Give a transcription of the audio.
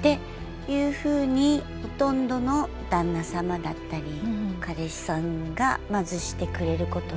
っていうふうにほとんどの旦那様だったり彼氏さんがまずしてくれることで。